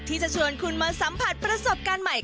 ที่จะชวนคุณมาสัมผัสประสบการณ์ใหม่